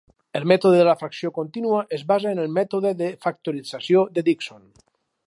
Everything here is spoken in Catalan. El mètode de la fracció continua es basa en el mètode de factorització de Dixon.